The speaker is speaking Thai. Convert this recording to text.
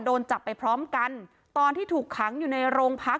โดนจับไปพร้อมกันตอนที่ถูกขังอยู่ในโรงพัก